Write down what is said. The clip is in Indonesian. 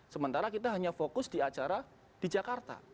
sementara kita hanya fokus di acara di jakarta